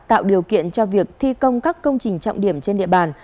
tạo điều kiện cho việc thi công các công trình trọng điểm trên địa bàn